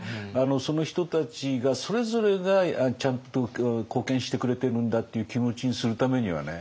その人たちがそれぞれがちゃんと貢献してくれてるんだっていう気持ちにするためにはね